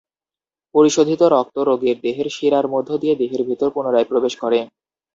পরিশোধিত রক্ত রোগীর দেহের শিরার মধ্য দিয়ে দেহের ভিতর পুনরায় প্রবেশ করে।